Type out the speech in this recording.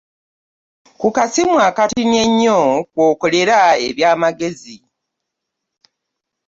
Ku kasimu akatinni enyo kw'okolera eby'amagezi